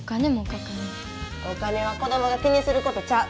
お金は子供が気にすることちゃう。